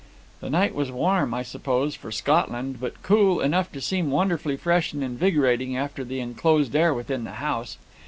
"The night was warm, I suppose, for Scotland, but cool enough to seem wonderfully fresh and invigorating after the enclosed air within the house.